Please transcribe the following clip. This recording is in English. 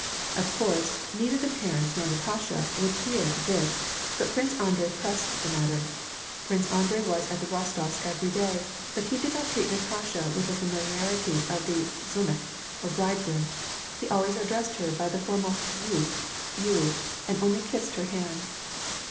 Of course, neither the parents nor Natasha would hear to this, but Prince Andrei pressed the matter. Prince Andrei was at the Rostofs every day, but he did not treat Natasha with the familiarity of the zhenikh, or bridegroom : he always 2S4 ^VAR AND PEACE, addressed her by the formal vui, " you," and only kissed her hand.